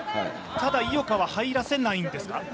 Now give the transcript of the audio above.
ただ井岡は入らせないんですか？